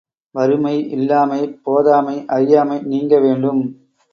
வறுமை, இல்லாமை, போதாமை, அறியாமை நீங்க வேண்டும்.